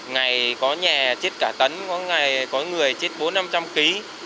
ngày có nhà chết cả tấn có ngày có người chết bốn năm trăm ký